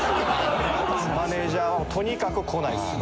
マネジャーはとにかく来ないです。